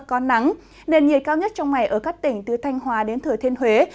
có nắng nên nhiệt cao nhất trong ngày ở các tỉnh từ thanh hóa đến thừa thiên huế